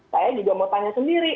saya juga mau tanya sendiri